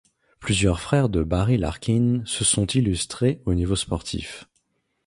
Plusieurs frères de Barry Larkin se sont illustrés au niveau sportif.